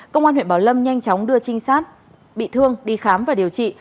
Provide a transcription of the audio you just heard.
công an huyện bảo lâm nhanh chóng đưa trinh sát bị thương đi khám và điều trị